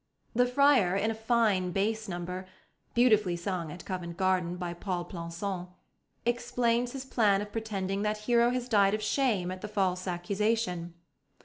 The friar, in a fine bass number (beautifully sung at Covent Garden by Pol Plançon), explains his plan of pretending that Hero has died of shame at the false accusation.